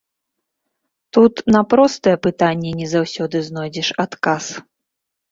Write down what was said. Тут на простыя пытанні не заўсёды знойдзеш адказ.